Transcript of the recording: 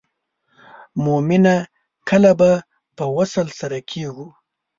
مومنه کله به په وصل سره کیږو.